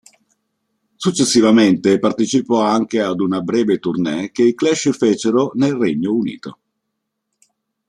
Successivamente partecipò anche ad una breve tournée che i Clash fecero nel Regno Unito.